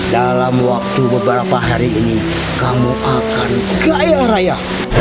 dalam waktu beberapa hari ini kamu akan kaya raya